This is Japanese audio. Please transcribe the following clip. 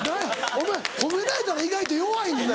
お前褒められたら意外と弱いねんな。